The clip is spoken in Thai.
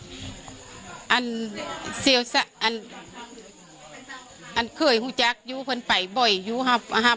ปกติพี่สาวเราเนี่ยครับเป็นคนเชี่ยวชาญในเส้นทางป่าทางนี้อยู่แล้วหรือเปล่าครับ